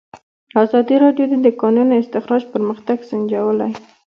ازادي راډیو د د کانونو استخراج پرمختګ سنجولی.